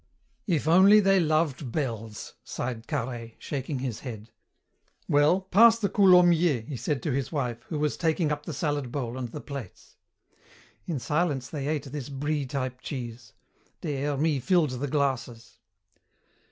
"If only they loved bells," sighed Carhaix, shaking his head. "Well, pass the Coulommiers," he said to his wife, who was taking up the salad bowl and the plates. In silence they ate this Brie type cheese. Des Hermies filled the glasses.